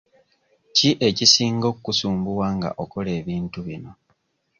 Ki ekisinga okkusumbuwa nga okola ebintu bino?